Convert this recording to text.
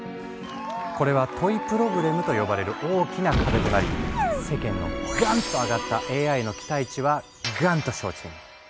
これはトイプロブレムと呼ばれる大きな壁となり世間のガンッと上がったＡＩの期待値はガンッと消沈。